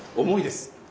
重いです。